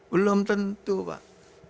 belum tentu pak